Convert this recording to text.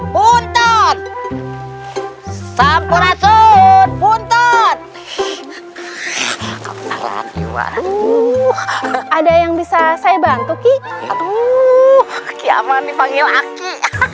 punta punta sampor asur punta punta ada yang bisa saya bantu ki aduh kiamat dipanggil aki